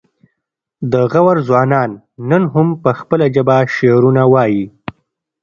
د غور ځوانان نن هم په خپله ژبه شعرونه وايي